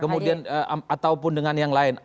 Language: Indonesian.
kemudian ataupun dengan yang lain